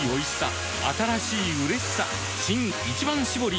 新「一番搾り」